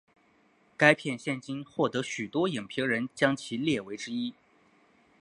该片现今获得许多影评人将其列为之一。